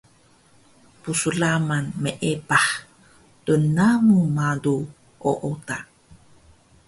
psramal meepah lnlamu malu ooda